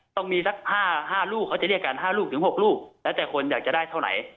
ต้องมีสัก๕ลูกเขาจะเรียกกัน๕ลูกถึง๖ลูกแล้วแต่คนอยากจะได้เท่าไหร่